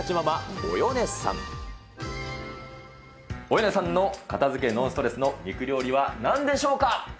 およねさんの片付けノンストレスの肉料理はなんでしょうか。